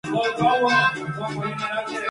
En África, se distribuye en Angola.